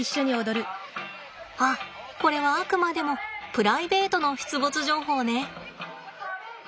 あっこれはあくまでもプライベートの出没情報ね。